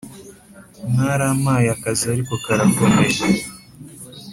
mwarampaye akazi ariko karakomeye